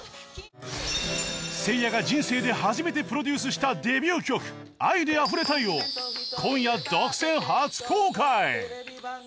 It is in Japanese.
せいやが人生で初めてプロデュースしたデビュー曲『愛で溢れたい』を今夜独占初公開！